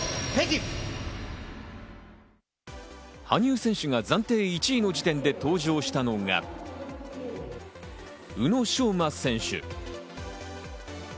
羽生選手が暫定１位の時点で登場したのが宇野昌磨選手。